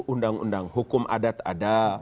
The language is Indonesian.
undang undang hukum adat ada